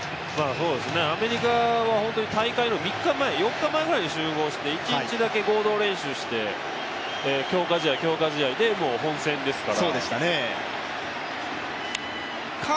アメリカは大会の４日前ぐらいに集合して、１日だけ合同練習して、強化試合、強化試合でもう本戦ですから。